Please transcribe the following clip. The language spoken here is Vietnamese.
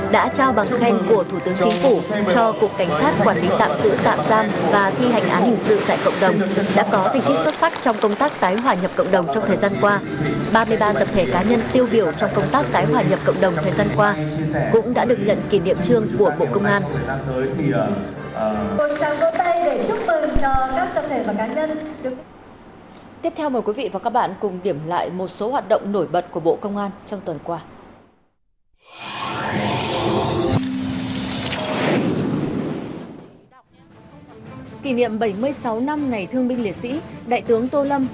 đã trao bằng khen của thủ tướng chính phủ cho cục cảnh sát quản lý tạm giữ tạm giam và thi hành án hình sự tại cộng đồng